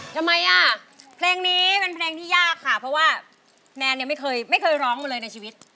ทำไมอ่ะเพลงนี้เป็นเพลงที่ยากค่ะเพราะว่าแนนไม่เคยร้องเลยในชีวิต